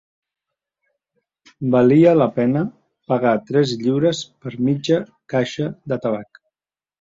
Valia la pena pagar tres lliures per mitja caixa de tabac.